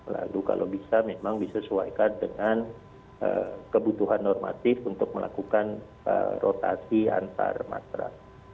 lalu kalau bisa memang disesuaikan dengan kebutuhan normatif untuk melakukan rotasi antarmatra